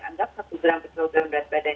anggap satu gram per kilogram berat badan